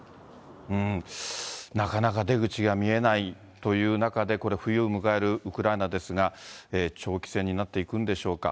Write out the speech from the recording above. なかなか出口が見えないという中で、これから冬を迎えるウクライナですが、長期戦になっていくんでしょうか。